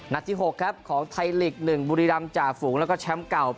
ที่๖ครับของไทยลีก๑บุรีรำจ่าฝูงแล้วก็แชมป์เก่า